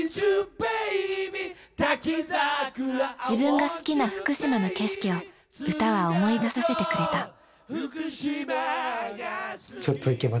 自分が好きな福島の景色を歌は思い出させてくれた。